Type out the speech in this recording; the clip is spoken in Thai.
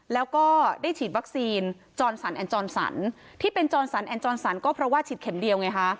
แล้วก็ได้ฉีดวัคซีนจรสันแอนจรสันที่เป็นจรสันแอนจรสันก็เพราะว่าฉีดเข็มเดียวไงคะ